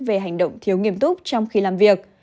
về hành động thiếu nghiêm túc trong khi làm việc